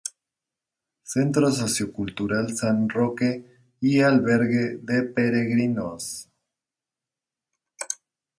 Centro Socio-Cultural San Roque y Albergue de Peregrinos.